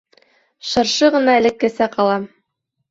Шыршы ғына элеккесә ҡала.